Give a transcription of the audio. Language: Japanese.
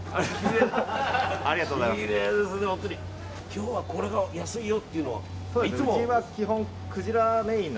今日はこれが安いよっていうのは？